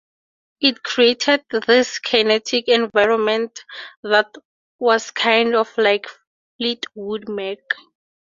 It created this kinetic environment that was kind of like Fleetwood Mac.